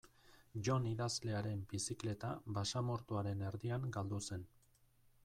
Jon idazlearen bizikleta basamortuaren erdian galdu zen.